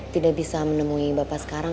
tidak bisa menemui bapak sekarang